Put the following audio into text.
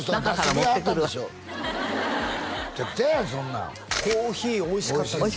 むちゃくちゃやんそんなんコーヒーおいしかったです